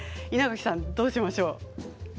稲垣さん、どうしましょう？